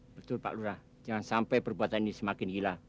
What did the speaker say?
betul pak bulura jangan sampai perbuatan ini semakin gila